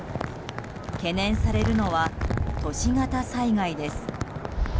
懸念されるのは都市型災害です。